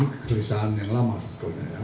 kegelisahan yang lama sebetulnya